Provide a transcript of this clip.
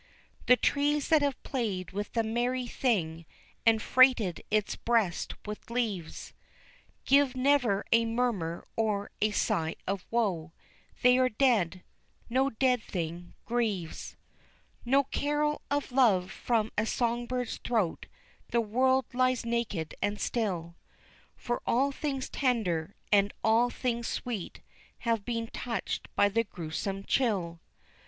The trees that have played with the merry thing, and freighted its breast with leaves, Give never a murmur or sigh of woe they are dead no dead thing grieves. No carol of love from a song bird's throat; the world lies naked and still, For all things tender, and all things sweet, have been touched by the gruesome chill.